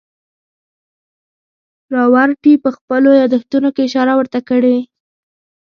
راورټي په خپلو یادښتونو کې اشاره ورته کړې.